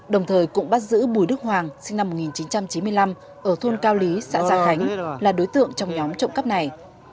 đồng thời cũng bắt giữ bùi đức hoàng sinh năm một nghìn chín trăm chín mươi năm ở thôn cao lý xã gia khánh là đối tượng trong nhóm trộm cắp này